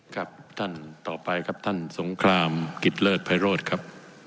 ครับท่านต่อไปครับท่านสงครามกิจเลิศไพโรธครับ